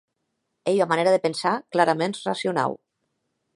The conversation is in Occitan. Ei ua manèra de pensar claraments racionau.